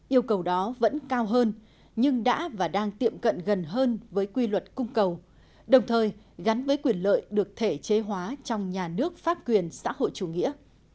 yêu cầu đó vẫn cao hơn nhưng đã và đang tiệm cận gần hơn với quy luật cung cầu đồng thời gắn với quyền lợi được thể chế hóa trong nhà nước pháp quyền xã hội chủ nghĩa